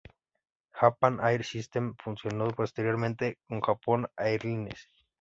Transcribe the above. Japan Air System se fusionó posteriormente con Japan Airlines.